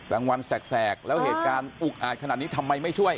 กลางวันแสกแล้วเหตุการณ์อุกอาจขนาดนี้ทำไมไม่ช่วย